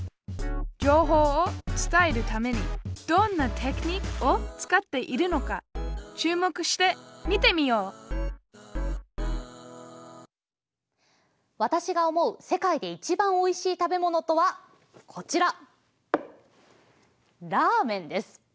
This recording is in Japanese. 情報を伝えるためにどんなテクニックを使っているのか注目して見てみよう私が思う世界で一番おいしい食べ物とはこちらラーメンです。